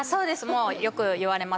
もうよく言われます